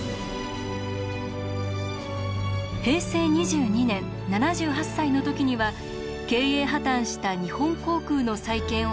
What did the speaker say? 平成２２年７８歳の時には経営破綻した日本航空の再建を託されます。